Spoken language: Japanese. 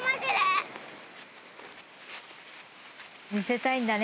見せたいんだね